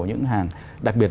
những hàng đặc biệt